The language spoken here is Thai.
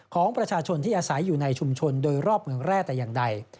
ของประชาชนที่อาศัยอยู่ในชุมชนโดยรอบเมืองแร่แต่อย่างใด